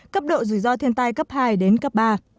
cấp độ rủi ro thiên tai cấp hai đến cấp ba